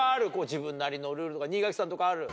自分なりのルールとか新垣さんとかある？